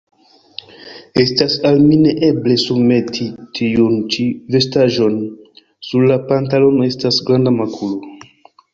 Estas al mi neeble surmeti tiun ĉi vestaĵon; sur la pantalono estas granda makulo.